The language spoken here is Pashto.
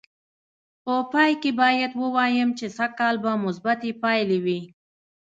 په پای کې باید ووایم چې سږ کال به مثبتې پایلې وې.